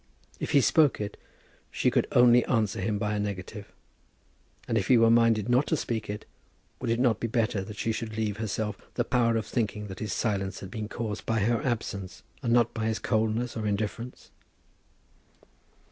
If he spoke it she could only answer him by a negative; and if he were minded not to speak it, would it not be better that she should leave herself the power of thinking that his silence had been caused by her absence, and not by his coldness or indifference?